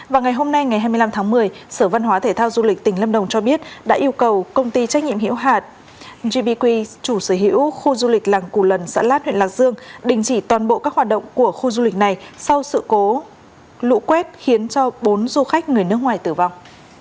vào ngày hôm nay ngày hai mươi năm tháng một mươi sở văn hóa thể thao du lịch tỉnh lâm đồng cho biết đã yêu cầu công ty trách nhiệm hiểu hạt gbq chủ sở hữu khu du lịch làng cù lần xã lát huyện lạc dương đình chỉ toàn bộ các hoạt động của khu du lịch này sau sự cố lũ quét khiến cho bốn du khách người nước ngoài tử vong